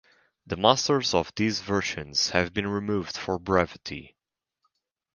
The masters of these versions have been removed for brevity.